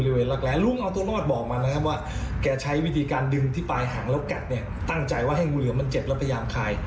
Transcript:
แรกลุงเอาตัวรอดบอกมานะครับว่าแกใช้วิธีการดึงที่ปลายหางแล้วกัดเนี่ยตั้งใจว่าให้งูเหลือมมันเจ็บแล้วพยายามคาย